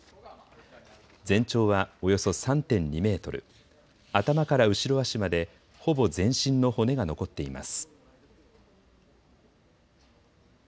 全長はおよそ３．２メートル、頭から後ろ足までほぼ全身の骨が残っています。